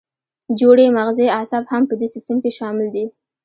جوړې مغزي اعصاب هم په دې سیستم کې شامل دي.